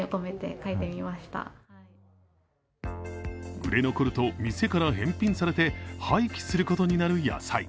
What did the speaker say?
売れ残ると、店から返品されて廃棄することになる野菜。